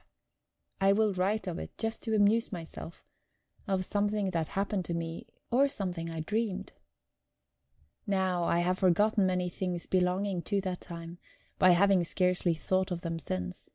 I will write of it just to amuse myself of something that happened to me, or something I dreamed. Now, I have forgotten many things belonging to that time, by having scarcely thought of them since.